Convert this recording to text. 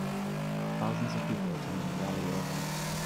Thousands of people attending a rally or event.